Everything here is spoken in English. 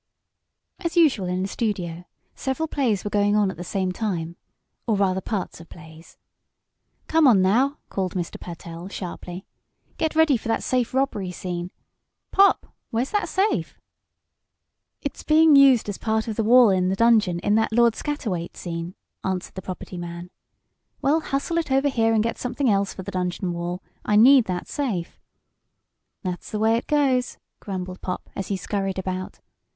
As usual in the studio, several plays were going on at the same time or, rather, parts of plays. "Come on now!" called Mr. Pertell, sharply. "Get ready for that safe robbery scene. Pop, where's that safe?" "It's being used as part of the wall in the dungeon in that 'Lord Scatterwait' scene," answered the property man. "Well, hustle it over here, and get something else for the dungeon wall. I need that safe." "That's the way it goes!" grumbled Pop as he scurried about.